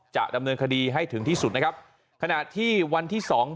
จะดำเนินคดีให้ถึงที่สุดนะครับขณะที่วันที่สอง